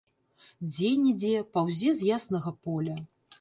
Дзень ідзе, паўзе з яснага поля.